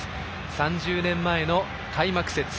３０年前の開幕節。